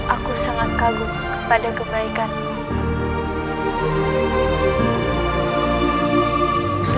aku sangat kagum kepada kebaikanmu